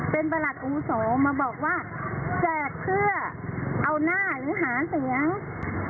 เป็นประหลัดอาวุโสมาบอกว่าแจกเพื่อเอาหน้าหรือหาเสียง